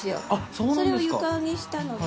それを床にしたので。